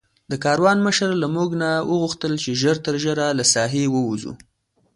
د کاروان مشر له موږ نه وغوښتل چې ژر تر ژره له ساحې ووځو.